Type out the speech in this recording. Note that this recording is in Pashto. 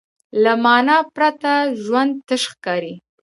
له معنی پرته ژوند تش ښکاري.